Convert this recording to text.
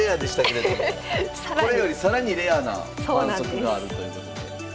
これより更にレアな反則があるということで。